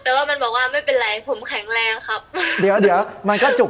แต่ว่ามันบอกว่าไม่เป็นไรผมแข็งแรงครับเดี๋ยวเดี๋ยวมันก็จุก